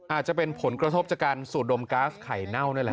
อาจจะเป็นผลกระทบจากการสูดดมก๊าซไข่เน่านั่นแหละ